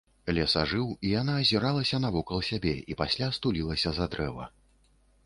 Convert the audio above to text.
Лес ажыў, і яна азіралася навокал сябе і пасля стулілася за дрэва.